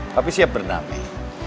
papi siap bernami